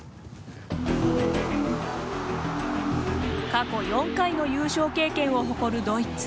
過去４回の優勝経験を誇るドイツ。